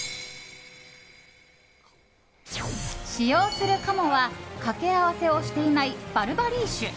使用する鴨は掛け合わせをしていないバルバリー種。